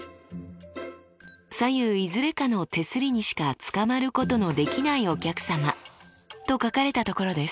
「左右いずれかの手すりにしかつかまることのできないお客さま」と書かれたところです。